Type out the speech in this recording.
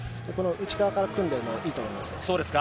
内側から組んでもいいと思います。